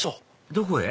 どこへ？